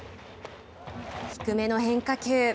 低めの変化球。